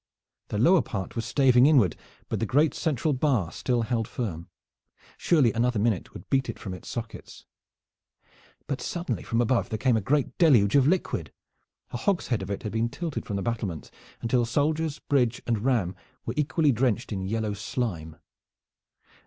the lower part was staving inward, but the great central bar still held firm. Surely another minute would beat it from its sockets. But suddenly from above there came a great deluge of liquid. A hogshead of it had been tilted from the battlement until soldiers, bridge, and ram were equally drenched in yellow slime.